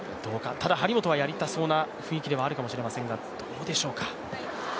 ただ、張本はやりたそうな雰囲気ではありますが、どうでしょうか？